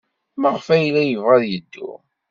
Maɣef ay yella yebɣa ad yeddu?